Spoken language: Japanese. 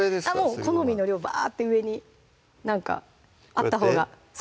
もう好みの量バーッて上になんかあったほうがこうやって？